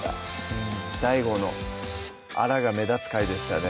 うんＤＡＩＧＯのアラが目立つ回でしたね